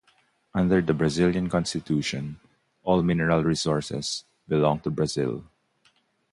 Under the Brazilian Constitution, all mineral resources belong to Brazil.